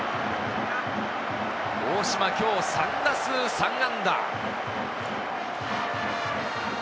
大島、今日、３打数３安打。